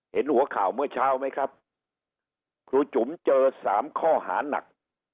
เห็นหัวข่าวเมื่อเช้าไหมครับครูจุ๋มเจอสามข้อหานัก